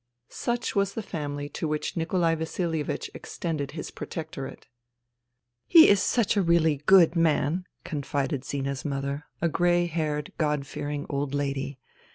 Such was the family to which Nikolai Vasilievich extended his protectorate. *' He is such a really good man,'* confided Zina's mother, a grey haired. God fearing old lady.